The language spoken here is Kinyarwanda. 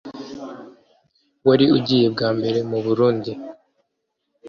wari ugiye bwa mbere mu Burundi